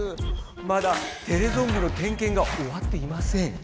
まだテレゾンビの点けんがおわっていません。